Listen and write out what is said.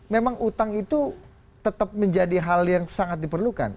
memang utang itu tetap menjadi hal yang sangat diperlukan